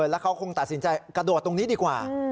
แล้วเขาคงตัดสินใจกระโดดตรงนี้ดีกว่า